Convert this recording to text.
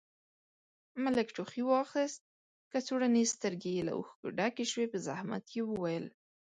ملک ټوخي واخيست، کڅوړنې سترګې يې له اوښکو ډکې شوې، په زحمت يې وويل: